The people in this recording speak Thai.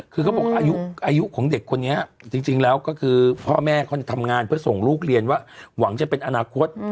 คือเขาบอกอายุของเด็กคนนี้จริงแล้วก็คือพ่อแม่เขาจะทำงานเพื่อส่งลูกเรียนว่าหวังจะเป็นอนาคต